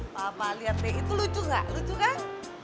papa lihat deh itu lucu gak lucu kan